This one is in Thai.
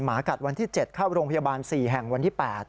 หมากัดวันที่๗เข้าโรงพยาบาล๔แห่งวันที่๘